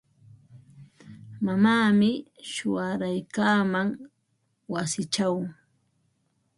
Mamaami shuwaraykaaman wasichaw.